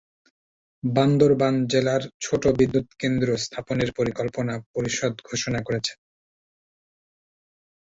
বান্দরবান জেলার ছোট বিদ্যুৎকেন্দ্র স্থাপনের পরিকল্পনা পরিষদ ঘোষণা করেছে।